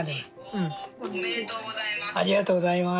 おおめでとうございます。